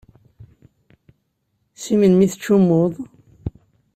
Si melmi i tettcummuḍ?